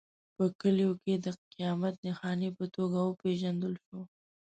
په کلیو کې د قیامت نښانې په توګه وپېژندل شو.